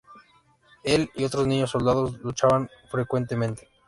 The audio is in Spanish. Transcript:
Él y otros niños soldado luchaban frecuentemente.